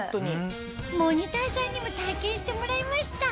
モニターさんにも体験してもらいました